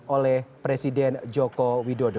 oleh presiden joko widodo